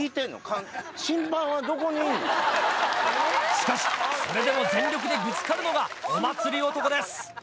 しかしそれでも全力でぶつかるのがお祭り男です。